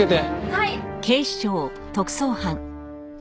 はい。